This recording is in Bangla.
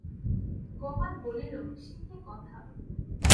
গোপাল বলিল, সে কী কথা!